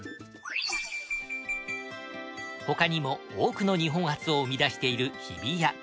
他にも多くの日本初を生み出している日比谷。